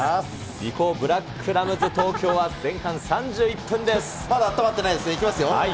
リコーブラックラムズ東京はまだあったまってないです。